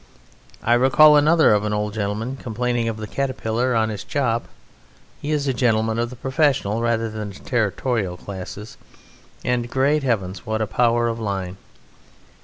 I recall another of an old gentleman complaining of the caterpillar on his chop: he is a gentleman of the professional rather than the territorial classes, and, great heavens! what a power of line!